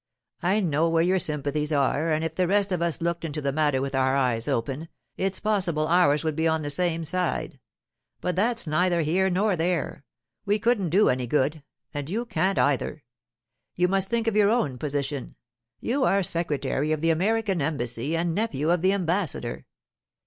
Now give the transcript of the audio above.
I know where your sympathies are; and if the rest of us looked into the matter with our eyes open, it's possible ours would be on the same side. But that's neither here nor there; we couldn't do any good, and you can't, either. You must think of your own position—you are secretary of the American Embassy and nephew of the ambassador.